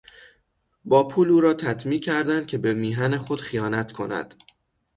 با پول او را تطمیع کردند که به میهن خود خیانت کند.